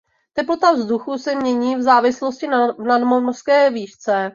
Teplota vzduchu se mění v závislosti na nadmořské výšce.